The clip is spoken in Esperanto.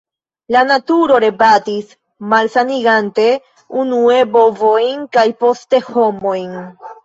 La “naturo rebatis, malsanigante unue bovojn kaj poste homojn.